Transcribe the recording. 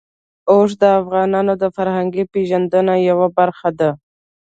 اوښ د افغانانو د فرهنګي پیژندنې یوه برخه ده.